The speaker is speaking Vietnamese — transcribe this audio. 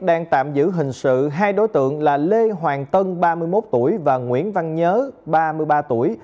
đang tạm giữ hình sự hai đối tượng là lê hoàng tân ba mươi một tuổi và nguyễn văn nhớ ba mươi ba tuổi